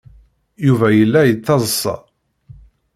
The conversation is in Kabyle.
Yuba yella yettaḍsa.